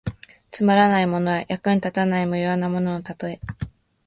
つまらないものや、役に立たない無用なもののたとえ。